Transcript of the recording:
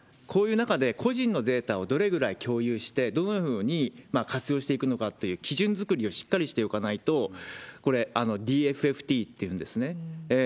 こういう中で、個人のデータをどれぐらい共有して、どういうふうに活用していくのかという基準作りをしっかりしておかないと、これ、ＤＦＦＴっていうんですね。